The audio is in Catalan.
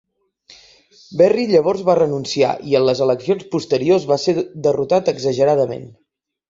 Berry llavors va renunciar, i en les eleccions posteriors va ser derrotat exageradament.